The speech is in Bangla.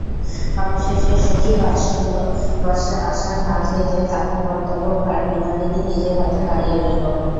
অবশেষে সখিবাৎসল্যবশে আশার হাত হইতে তাহার কর্তব্যভার বিনোদিনী নিজের হাতে কাড়িয়া লইল।